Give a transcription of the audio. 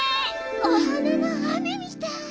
お花があめみたい。